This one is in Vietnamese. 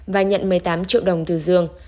và nhận một mươi tám triệu đồng từ dương